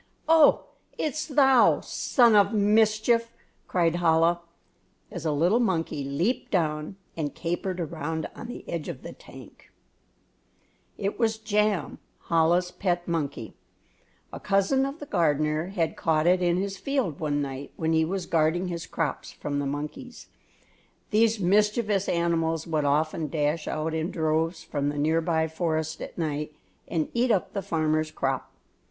"Oh, it's thou, son of mischief!" cried Chola, as a little monkey leaped down and capered around on the edge of the tank. It was Jam, Chola's pet monkey. A cousin of the gardener had caught it in his field one night when he was guarding his crops from the monkeys. These mischievous animals would often dash out in droves from the near by forest at night and eat up the farmers' crop.